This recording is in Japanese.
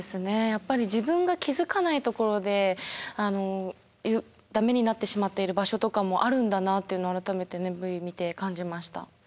やっぱり自分が気付かないところでダメになってしまっている場所とかもあるんだなというのを改めてＶ見て感じました。